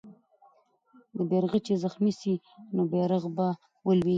که بیرغچی زخمي سي، نو بیرغ به ولويږي.